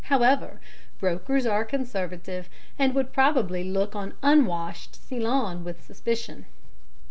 However, brokers are conservative, and would probably look on unwashed Ceylon with suspicion.